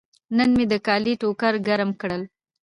نن مې د کالي ټوکر ګرم کړل.